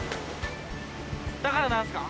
だから何すか？